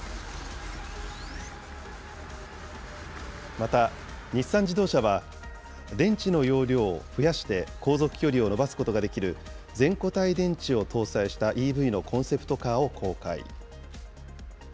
また、日産自動車は、電池の容量を増やして航続距離を伸ばすことができる全固体電池を搭載したＥＶのコンセプトカーを公開。